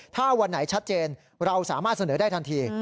ถ้าวันไหนชัดเจนเราสามารถเสนอได้ทันที